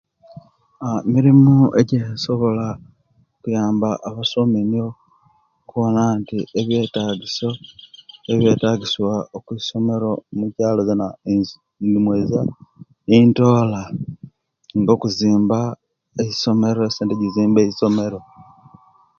Aah Emirimu ejensobola okuyamba abasomi nikwo okuwona nti abyetagiso, ebyetagisiwa okwisomero omukyaalo nzena ndimwoiza ntool,a nga okuzimba eisomero, esente egizimiba eisomero.